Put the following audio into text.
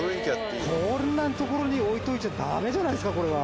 こんな所に置いといちゃだめじゃないですか、これは。